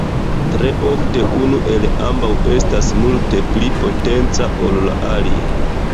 Tre ofte unu el ambaŭ estas multe pli potenca, ol la alia.